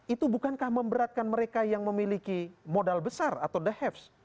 itu bukankah memberatkan mereka yang memiliki modal besar atau the haves